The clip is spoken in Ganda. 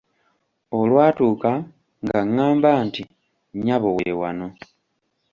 Olwatuuka ng'angamba nti, "nnyabo we wano."